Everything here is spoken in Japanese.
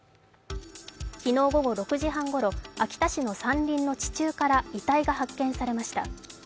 昨日午後６時半ごろ秋田市の山林の地中から遺体が発見されました。